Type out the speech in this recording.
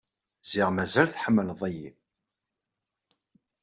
Ẓriɣ mazal tḥemmleḍ-iyi.